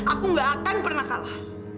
aku gak akan pernah kalah